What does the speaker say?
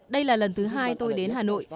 đây là lần thứ hai tôi đến hà nội